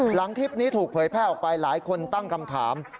หลังคลิปนี้ถูกเผยแพร่ออกไปหลายคนตั้งคำถาม